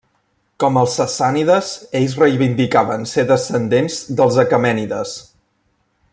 Com els Sassànides, ells reivindicaven ser descendents dels Aquemènides.